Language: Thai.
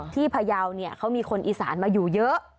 ที่พายาวเนี่ยเขามีคนอีสานมาอยู่เยอะ